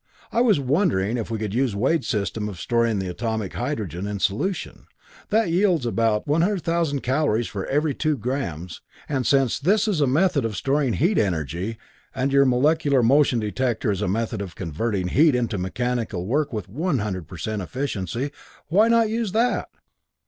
I was wondering if we could use Wade's system of storing the atomic hydrogen in solution. That yields about 100,000 calories for every two grams, and since this is a method of storing heat energy, and your molecular motion director is a method of converting heat into mechanical work with 100 per cent efficiency, why not use that?